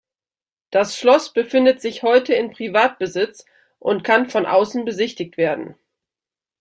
Das Schloss befindet sich heute in Privatbesitz und kann von außen besichtigt werden.